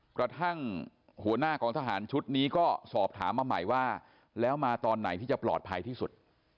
กระทั่งหัวหน้ากองทหารชุดนี้ก็สอบถามมาใหม่ว่าแล้วมาตอนไหนที่จะปลอดภัยที่สุด